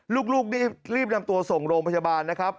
ลูกนี่รีบนำตัวส่งโรงประชาบานนะครับ